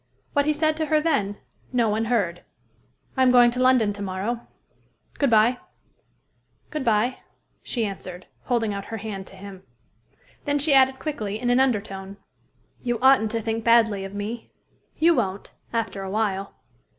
What he said to her then, no one heard. "I am going to London to morrow. Good by." "Good by," she answered, holding out her hand to him. Then she added quickly, in an under tone, "You oughtn't to think badly of me. You won't, after a while."